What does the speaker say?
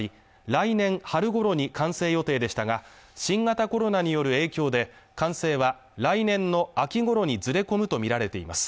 来年春ごろに完成予定でしたが新型コロナによる影響で完成は来年の秋ごろにずれ込むとみられています